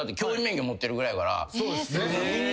そうです。